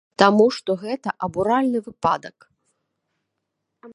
Таму што гэта абуральны выпадак.